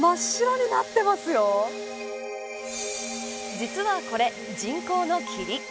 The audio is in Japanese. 実はこれ、人工の霧。